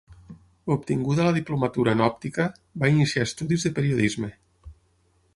Obtinguda la diplomatura en Òptica, va iniciar estudis de Periodisme.